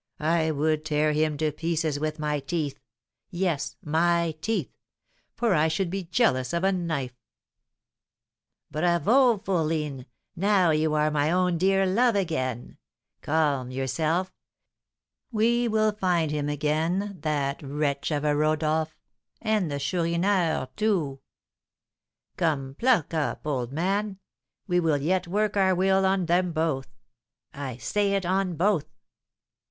I would tear him to pieces with my teeth yes, my teeth; for I should be jealous of a knife!" "Bravo, fourline! now you are my own dear love again. Calm yourself. We will find him again, that wretch of a Rodolph, and the Chourineur too. Come, pluck up, old man; we will yet work our will on them both. I say it, on both!"